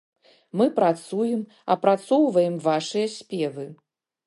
Мы працуем, апрацоўваем вашыя спевы.